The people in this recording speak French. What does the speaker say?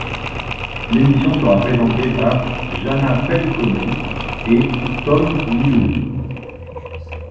L'émission sera présentée par Jaana Pelkonen et Tom Nylund.